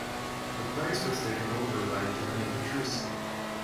The place was taken over by Giovanni Petrucci.